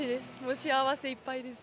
幸せいっぱいです。